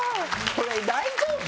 これ大丈夫？